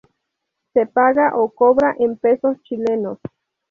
Se paga o cobra en pesos chilenos.